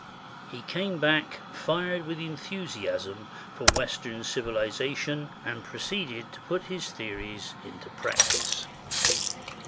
He came back fired with enthusiasm for Western civiliza tion, and proceeded to put his theories into practice.